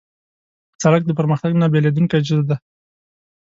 سړک د پرمختګ نه بېلېدونکی جز دی.